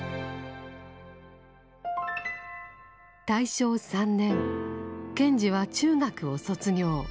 大正３年賢治は中学を卒業。